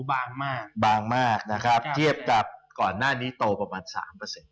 บางมากบางมากนะครับเทียบกับก่อนหน้านี้โตประมาณสามเปอร์เซ็น